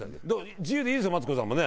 自由でいいですよマツコさんもね。